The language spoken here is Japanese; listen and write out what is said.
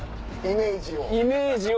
イメージを！